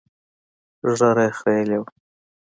ږيره يې خرييلې وه.